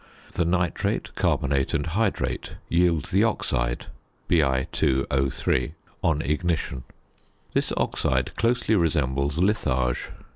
The nitrate, carbonate, and hydrate yield the oxide (Bi_O_) on ignition. This oxide closely resembles litharge.